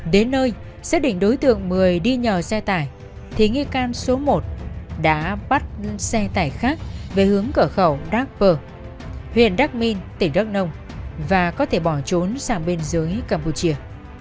đến nơi xác định đối tượng mười đi nhờ xe tải thì nghi can số một đã bắt xe tải khác về hướng cửa khẩu đắk bờ huyện đắc minh tỉnh đắk nông và có thể bỏ trốn sang bên dưới campuchia